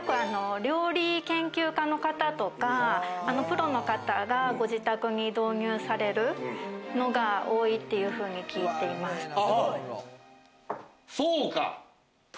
料理研究家の方とか、プロの方がご自宅に導入されるのが多いっていうふうに聞いてます。